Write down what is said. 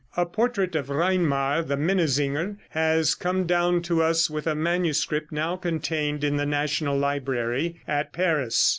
A portrait of Reinmar, the minnesinger, has come down to us with a manuscript now contained in the National Library at Paris.